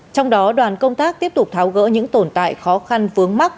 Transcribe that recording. trong đó đoàn công tác tiếp tục tháo gỡ những tồn tại khó khăn vướng mắt